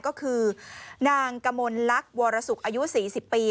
ก็คือนางกมลลักษณ์วรสุกอายุ๔๐ปี